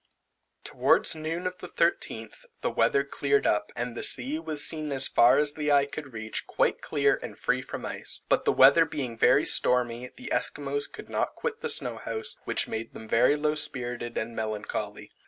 Towards noon of the 13th, the weather cleared up, and the sea was seen as far as the eye could reach, quite clear and free from ice; but the weather being very stormy, the Esquimaux could not quit the snow house, which made them very low spirited and melancholy.